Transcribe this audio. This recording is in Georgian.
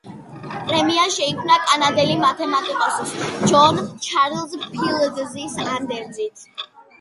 პრემია შეიქმნა კანადელი მათემატიკოსის, ჯონ ჩარლზ ფილდზის ანდერძით.